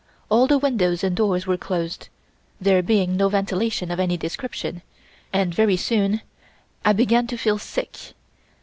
All the windows and doors were closed, there being no ventilation of any description, and very soon I began to feel sick.